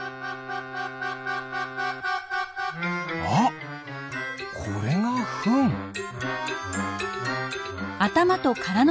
あっこれがフン！